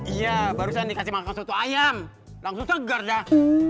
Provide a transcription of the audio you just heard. iya barusan dikasih makan soto ayam langsung segar dah